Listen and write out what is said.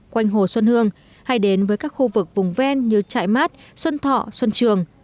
quanh hồ xuân hương hay đến với các khu vực vùng ven như trại mát xuân thọ xuân trường